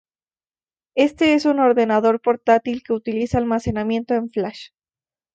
Este es un ordenador portátil que utiliza almacenamiento en flash.